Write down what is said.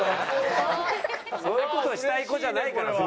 そういう事をしたい子じゃないから。